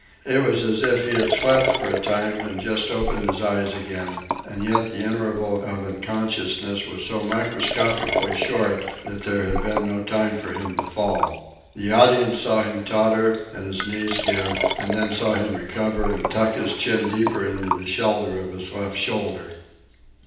It was as if he had slept for a time and just opened his eyes again, and yet the interval of unconsciousness was so microscopically short that there had been no time for him to fall. The audience saw him totter and his knees give, and then saw him recover and tuck his chin deeper into the shelter of his left shoulder.